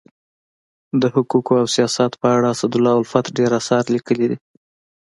د حقوقو او سیاست په اړه اسدالله الفت ډير اثار لیکلي دي.